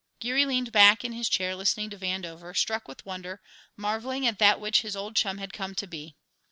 Geary leaned back in his chair listening to Vandover, struck with wonder, marvelling at that which his old chum had come to be.